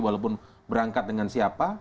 walaupun berangkat dengan siapa